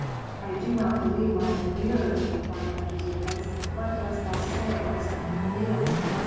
"I do not believe my own ears," replied Mentezufis. "What dost thou say of some Chaldean?"